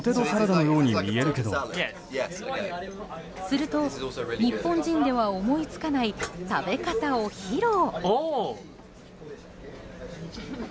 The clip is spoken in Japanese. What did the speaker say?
すると、日本人では思いつかない食べ方を披露。